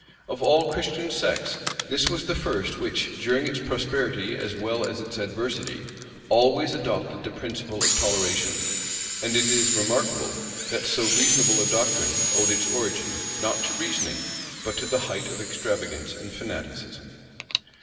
Of all Christian sects, this was the first which, during its prosperity as well as its adversity, always adopted the principle of toleration; and it is remarkable that so reasonable a doctrine owed its origin, not to reasoning, but to the height of extravagance and fanaticism.